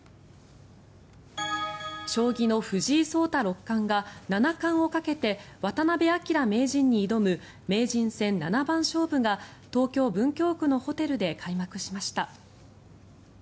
将棋の藤井聡太六冠が七冠をかけて渡辺明名人に挑む名人戦七番勝負が東京・文京区のホテルで開幕しました。